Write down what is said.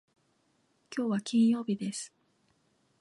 きょうは金曜日です。